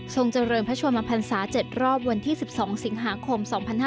เจริญพระชนมพันศา๗รอบวันที่๑๒สิงหาคม๒๕๕๙